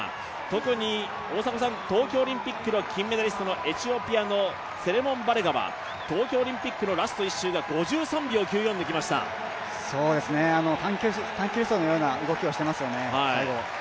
特に東京オリンピックの金メダリストのエチオピアのセレモン・バレガは東京オリンピックのラスト１周で短距離走のような動きをしていますよね、最後。